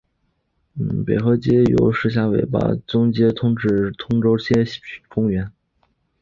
北河街由石硖尾巴域街伸延至通州街公园。